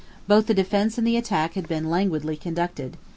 Both the defence and the attack had been languidly conducted.